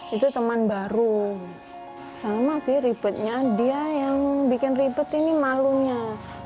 itu teman baru sama sih ribetnya dia yang bikin ribet ini malunya disuruh baru saja jangan ke sini